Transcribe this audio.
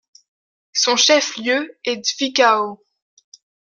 Son chef lieu est Zwickau.